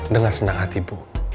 dengan senang hati bu